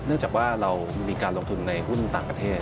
จากว่าเรามีการลงทุนในหุ้นต่างประเทศ